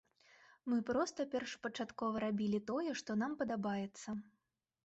Мы проста першапачаткова рабілі тое, што нам падабаецца.